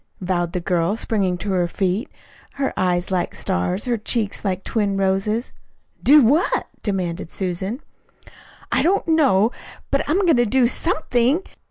vowed the girl, springing to her feet, her eyes like stars, her cheeks like twin roses. "Do what?" demanded Susan. "I don't know. But, I'm going to do SOMETHING.